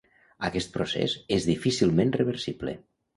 Aquest procés és difícilment reversible.